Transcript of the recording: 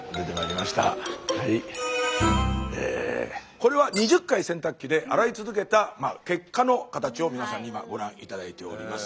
これは２０回洗濯機で洗い続けた結果の形を皆さんに今ご覧頂いております。